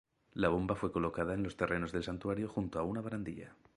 La bomba fue colocada en los terrenos del santuario junto a una barandilla.